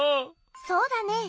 そうだねえ。